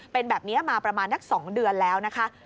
เป็นแบบนี้มาประมาณนัก๒เดือนแล้วนะคะ